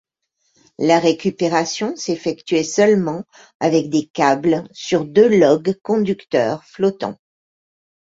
La récupération s'effectuait seulement avec des câbles sur deux logs conducteurs flottants.